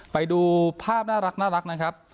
ไปดูภาพน่ารักนะครับ